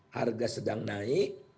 harga sedang naik